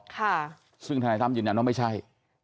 ค่ะซึ่งธนายตั้มยืนยันว่าไม่ใช่